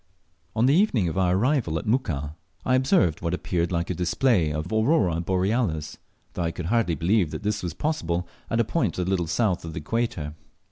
On the evening of our arrival at Muka I observed what appeared like a display of Aurora Borealis, though I could hardly believe that this was possible at a point a little south of the equator.